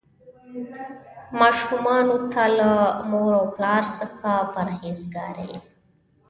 ماشومانو ته له مور او پلار څخه د پرهیزګارۍ.